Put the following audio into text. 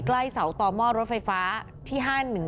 ใกล้เสาต่อหม้อรถไฟฟ้าที่๕๑